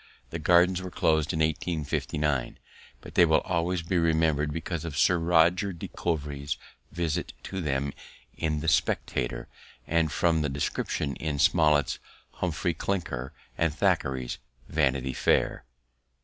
The Gardens were closed in 1859, but they will always be remembered because of Sir Roger de Coverley's visit to them in the Spectator and from the descriptions in Smollett's Humphry Clinker and Thackeray's Vanity Fair.